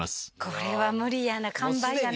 これは無理やな完敗やな。